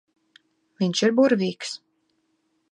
Viņš ir burvīgs.